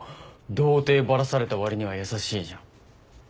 童貞バラされたわりには優しいじゃん。